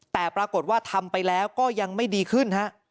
แต่ปรากฏว่าทำไปแล้วก็ยังไม่ดีขึ้นฮะ